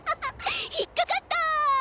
引っ掛かった！